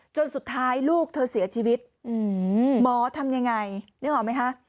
จนสุดท้ายลูกเธอเสียชีวิตหมอทำยังไงนึกออกไหมคะ